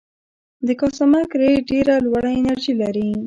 د کاسمک رې ډېره لوړه انرژي لري.